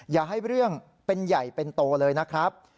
อย่าให้เรื่องเป็นใหญ่เป็นโตเลยนะครับ